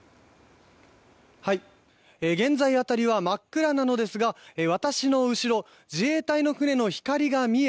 現在、辺りは真っ暗なのですが私の後ろ、自衛隊の船の光が見え